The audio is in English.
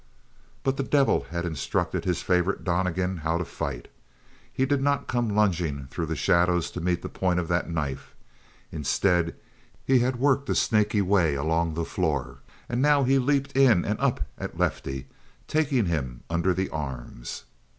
But the devil had instructed his favorite Donnegan how to fight. He did not come lunging through the shadows to meet the point of that knife. Instead, he had worked a snaky way along the floor and now he leaped in and up at Lefty, taking him under the arms.